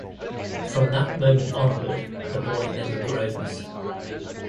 From that moment onward, the boy never grows.